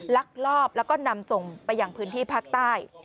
ลักลอบแล้วก็นำส่งไปอย่างพื้นที่ภาคใต้